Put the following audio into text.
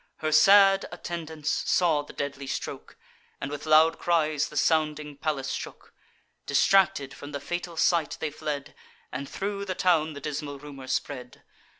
Her sad attendants saw the deadly stroke, And with loud cries the sounding palace shook. Distracted, from the fatal sight they fled, And thro' the town the dismal rumour spread.